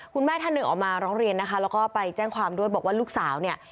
ท่านหนึ่งออกมาร้องเรียนนะคะแล้วก็ไปแจ้งความด้วยบอกว่าลูกสาวเนี่ย